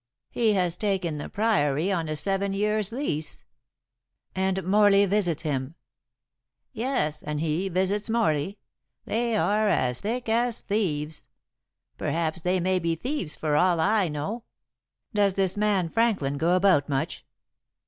"He has taken the Priory on a seven years' lease." "And Morley visits him?" "Yes, and he visits Morley. They are as thick as thieves. Perhaps they may be thieves for all I know." "Does this man Franklin go about much?"